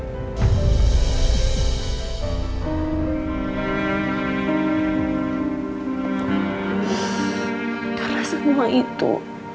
karena semua itu